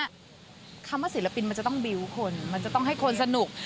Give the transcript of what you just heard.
เพราะคำว่าศีลัพท์มันจะต้องบิ้วคนมันจะต้องให้คนสนุก